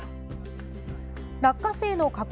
落花生の加工